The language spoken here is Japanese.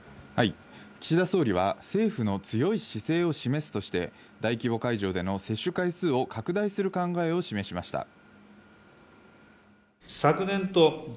岸田総理は政府の強い姿勢を示すとして、大規模会場での接種回数を拡大する考えを示しました。